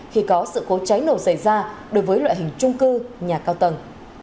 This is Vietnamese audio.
khi có sự cố cháy nổ xảy ra đối với loại hình trung cư nhà cao tầng